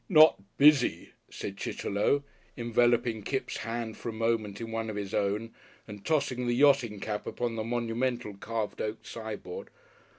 "Not busy?" said Chitterlow, enveloping Kipps' hand for a moment in one of his own and tossing the yachting cap upon the monumental carved oak sideboard.